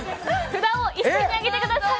札を一斉に上げてください。